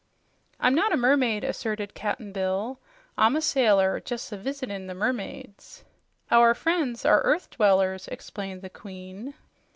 "I'm not a mermaid," asserted Cap'n Bill. "I'm a sailor jes' a visitin' the mermaids." "Our friends are earth dwellers," explained the Queen.